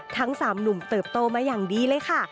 ทั้ง๓หนุ่มเติบโตมาอย่างดีเลยค่ะ